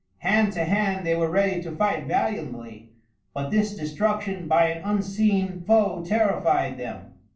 Hand to hand they were ready to fight valiantly, but this destruction by an unseen foe terrified them.